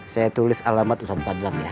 saya tulis alamat ustadz ya